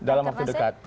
dalam waktu dekat